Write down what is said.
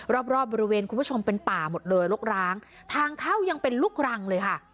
รอบรอบบริเวณคุณผู้ชมเป็นป่าหมดเลยรกร้างทางเข้ายังเป็นลูกรังเลยค่ะ